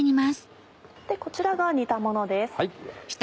こちらが煮たものです。